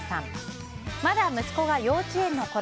まだ息子が幼稚園のころ。